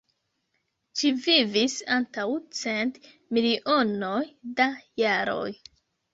Ĝi vivis antaŭ cent milionoj da jaroj.